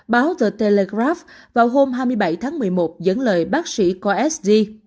báo the telegraph vào hôm hai mươi bảy tháng một mươi một dẫn lời bác sĩ khoa s d